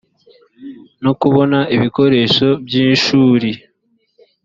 no kubona ibikoresho by ishuri